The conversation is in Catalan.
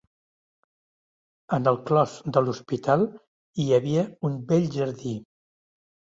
En el clos de l'hospital hi havia un bell jardí